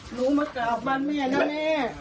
แม่หนูมากราบบ้านแม่นะแม่